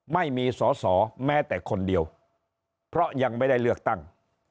ไม่มีสอสอแม้แต่คนเดียวเพราะยังไม่ได้เลือกตั้ง